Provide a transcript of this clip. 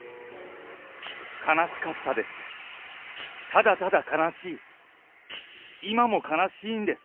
悲しかったです。